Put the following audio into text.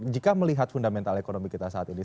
jika melihat fundamental ekonomi kita saat ini